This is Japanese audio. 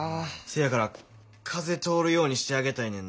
せやから風通るようにしてあげたいねんな。